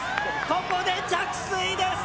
ここで着水です。